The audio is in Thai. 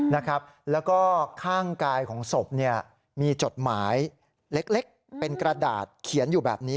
แล้วก็ข้างกายของศพเนี่ยมีจดหมายเล็กเป็นกระดาษเขียนอยู่แบบนี้